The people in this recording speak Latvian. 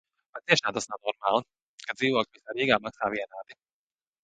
Patiešām tas nav normāli, ka dzīvokļi visā Rīgā maksā vienādi.